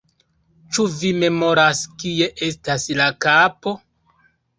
Ĉu vi memoras kie estas la kapo?